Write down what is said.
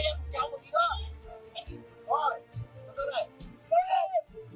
kéo bên trái em một tí nữa rồi